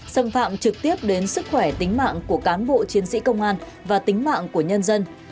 xâm phạm trực tiếp đến sức khỏe tính mạng của cán bộ chiến sĩ công an và tính mạng của nhân dân